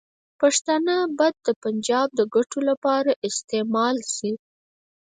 پښتانه به د پنجاب د ګټو لپاره استعمال شي.